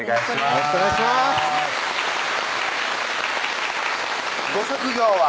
よろしくお願いしますご職業は？